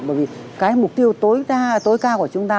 bởi vì cái mục tiêu tối cao của chúng ta